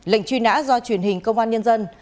lệnh truy nã do truyền hình công an nhân dân